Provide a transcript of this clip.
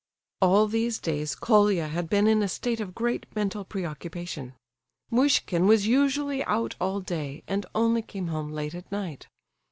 All these days Colia had been in a state of great mental preoccupation. Muishkin was usually out all day, and only came home late at night.